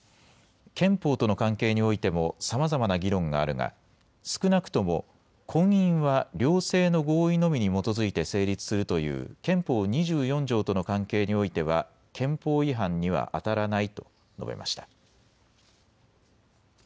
憲法との関係においてもさまざまな議論があるが少なくとも婚姻は両性の合意のみに基づいて成立するという憲法２４条との関係においては憲法違反にはあたらないと述べました。